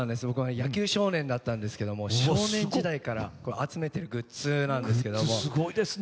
僕は野球少年だったんですけど少年時代から集めてるグッズなんですけど。